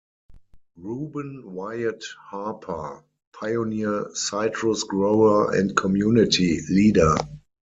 Ruben Wyatt Harper, pioneer citrus grower and community leader.